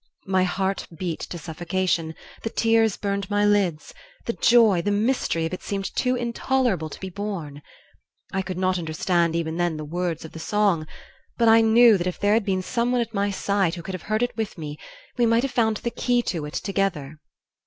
My heart beat to suffocation, the tears burned my lids, the joy, the mystery of it seemed too intolerable to be borne. I could not understand even then the words of the song; but I knew that if there had been someone at my side who could have heard it with me, we might have found the key to it together.